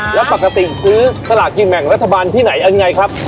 แล้วปกติซื้อสลากกินแบ่งรัฐบาลที่ไหนยังไงครับ